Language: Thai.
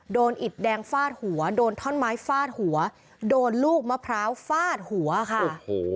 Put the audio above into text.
อิดแดงฟาดหัวโดนท่อนไม้ฟาดหัวโดนลูกมะพร้าวฟาดหัวค่ะโอ้โห